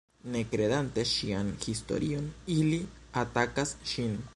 Ne kredante ŝian historion, ili atakas ŝin.